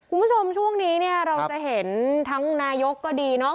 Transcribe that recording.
คุณผู้ชมช่วงนี้เนี่ยเราจะเห็นทั้งนายกก็ดีเนาะ